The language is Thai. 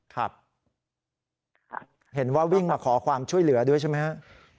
ครับเห็นว่าวิ่งมาขอความช่วยเหลือด้วยใช่ไหมครับ